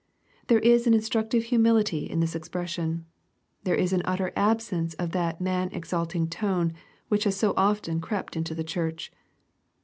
There is an instructive humility in this expression. There is an utter absence of that man exalting tone which has so often crept into the Church.